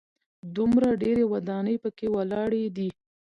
دومره ډېرې ودانۍ په کې ولاړې دي.